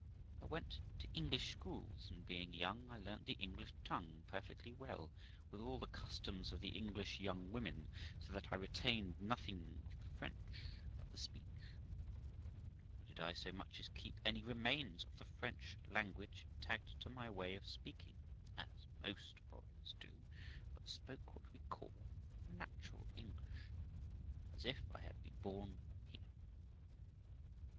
I went to English schools, and being young, I learned the English tongue perfectly well, with all the customs of the English young women; so that I retained nothing of the French but the speech; nor did I so 196 THE LIFE OF ROXANA much as keep any remains of the French language tagged to my way of speaking, as most foreigners do, but spoke what we call natural English, as if I had been born here.